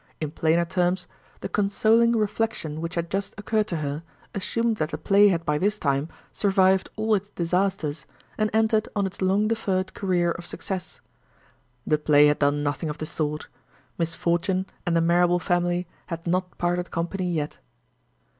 In plainer terms, the consoling reflection which had just occurred to her assumed that the play had by this time survived all its disasters, and entered on its long deferred career of success. The play had done nothing of the sort. Misfortune and the Marrable family had not parted company yet.